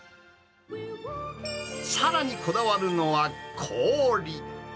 さらにこだわるのは、氷。